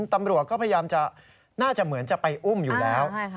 ตำรวจก็พยายามจะน่าจะเหมือนจะไปอุ้มอยู่แล้ว